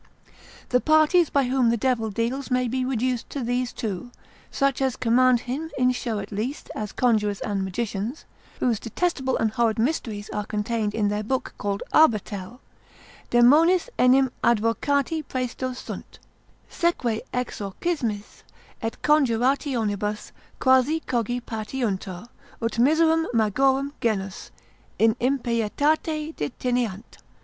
The parties by whom the devil deals, may be reduced to these two, such as command him in show at least, as conjurors, and magicians, whose detestable and horrid mysteries are contained in their book called Arbatell; daemonis enim advocati praesto sunt, seque exorcismis et conjurationibus quasi cogi patiuntur, ut miserum magorum genus, in impietate detineant.